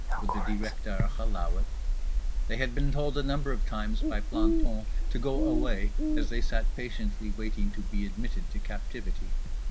Would the Directeur allow it? They had been told a number of times by plantons to go away, as they sat patiently waiting to be admitted to captivity.